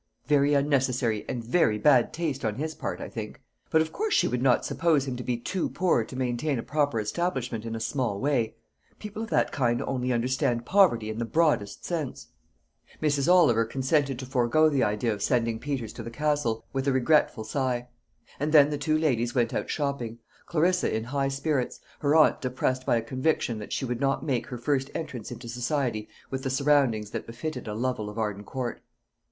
"Very unnecessary, and very bad taste on his part, I think. But of course she would not suppose him to be too poor to maintain a proper establishment in a small way. People of that kind only understand poverty in the broadest sense." Mrs. Oliver consented to forego the idea of sending Peters to the Castle, with a regretful sigh; and then the two ladies went out shopping Clarissa in high spirits; her aunt depressed by a conviction, that she would not make her first entrance into society with the surroundings that befitted a Lovel of Arden Court.